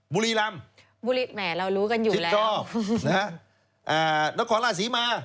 บุรีรำจิตรอมนะฮะน้องของราชศรีมา